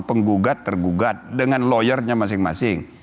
penggugat tergugat dengan lawyernya masing masing